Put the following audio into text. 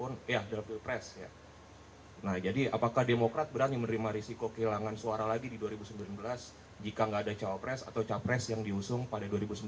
nah jadi apakah demokrat berani menerima risiko kehilangan suara lagi di dua ribu sembilan belas jika nggak ada cawapres atau capres yang diusung pada dua ribu sembilan belas